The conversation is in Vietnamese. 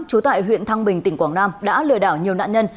trú tại huyện thăng bình tỉnh quảng nam đã lừa đảo nhiều nạn nhân